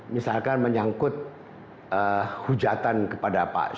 misalkan menyangkut hujatan kepada pak jokowi